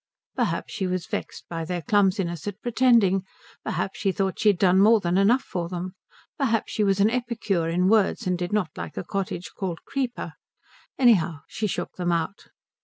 Perhaps she was vexed by their clumsiness at pretending, perhaps she thought she had done more than enough for them, perhaps she was an epicure in words and did not like a cottage called Creeper; anyhow she shook them out.